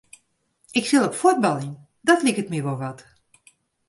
Ik sil op fuotbaljen, dat liket my wol wat.